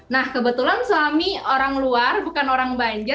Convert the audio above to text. nah kebetulan suami orang luar bukan orang banjir